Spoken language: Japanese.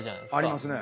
ありますね。